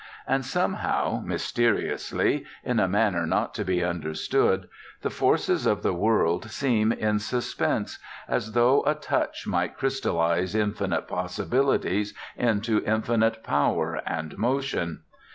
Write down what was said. And somehow, mysteriously, in a manner not to be understood, the forces of the world seem in suspense, as though a touch might crystallize infinite possibilities into infinite power and motion.